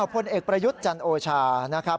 พลเอกประยุทธ์จันโอชานะครับ